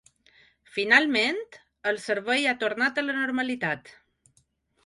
Finalment, el servei ha tornat a la normalitat.